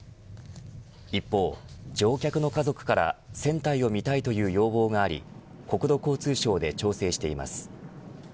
一方、乗客の家族から船体を見たいという要望があり国土交通省で調整しています。